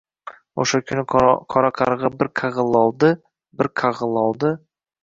Oʼsha kuni qora qargʼa bir qagʼillovdi, bir qagʼillovdi…